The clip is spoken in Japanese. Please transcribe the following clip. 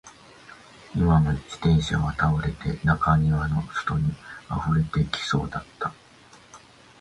今にも自転車は倒れて、中庭の外に溢れてきそうだった